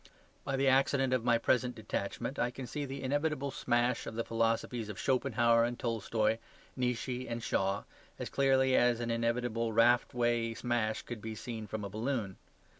By the accident of my present detachment, I can see the inevitable smash of the philosophies of Schopenhauer and Tolstoy, Nietzsche and Shaw, as clearly as an inevitable railway smash could be seen from a balloon.